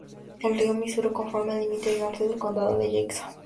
El río Misuri conforma el límite norte del Condado de Jackson.